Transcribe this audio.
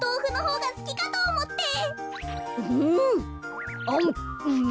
うん！